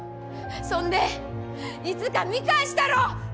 そんでいつか見返したろ！